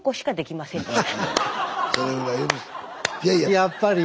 やっぱり。